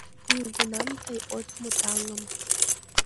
Нигунам тый от му таҥым